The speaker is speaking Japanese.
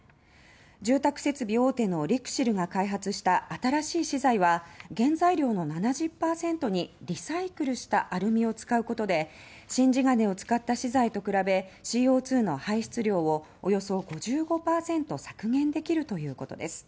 住宅設備大手のリクシルが開発した新しい資材は原材料の７０％にリサイクルしたアルミを使うことで新地金を使った資材と比べＣＯ２の排出量をおよそ５５％削減できるということです。